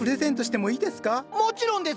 もちろんです！